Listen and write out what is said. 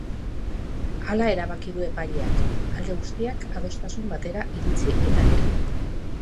Hala erabaki du epaileak, alde guztiak adostasun batera iritsi eta gero.